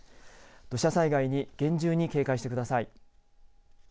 土砂災害に厳重に警戒してください。